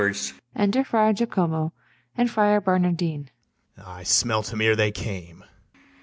BARABAS. I smelt 'em ere they came.